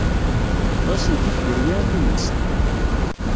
Ur asent-d-teggri ara tumast.